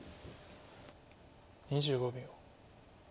２５秒。